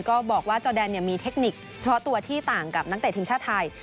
ก็บอกว่าจอแดนมีเทคนิคเฉพาะตัวที่ต่างกับนักเตะทีมชาติไทย